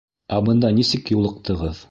Ә бында нисек юлыҡтығыҙ?